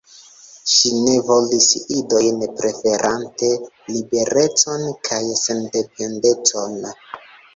Ŝi ne volis idojn, preferante liberecon kaj sendependecon.